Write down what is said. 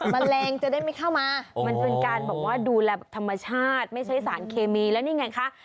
แมลงจะได้ไม่เข้ามามันเป็นการบอกว่าดูแลแบบธรรมชาติไม่ใช้สารเคมีแล้วนี่ไงคะ